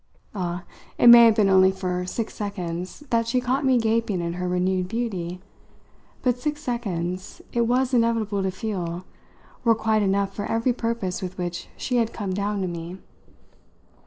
Ah, it may have been only for six seconds that she caught me gaping at her renewed beauty; but six seconds, it was inevitable to feel, were quite enough for every purpose with which she had come down to me.